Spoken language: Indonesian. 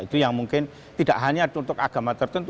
itu yang mungkin tidak hanya untuk agama tertentu